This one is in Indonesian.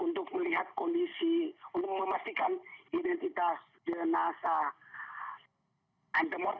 untuk memastikan identitas jenazah antemortem